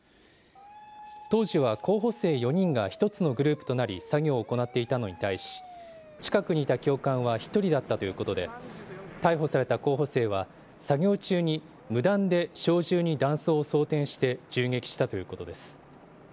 当時は候補生４人が１つのグループとなり作業を行っていたのに対し、近くにいた教官は１人だったということで、逮捕された候補生は、作業中に無断で小銃に弾倉を装填して銃撃したということです。